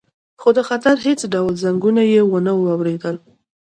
خو د خطر هیڅ ډول زنګونه یې ونه اوریدل